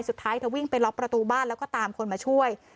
เธอวิ่งไปล็อกประตูบ้านแล้วก็ตามคนมาช่วย